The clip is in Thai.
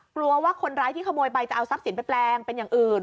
กลัวว่าคนร้ายที่ขโมยไปจะเอาทรัพย์สินไปแปลงเป็นอย่างอื่น